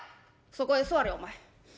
そこへ座れお前。